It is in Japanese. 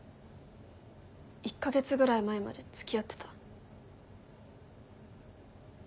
１か月ぐらい前まで付き合ってた。